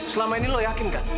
selama ini lo yakin kan